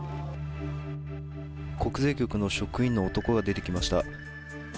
国税局の職員の男が出てきました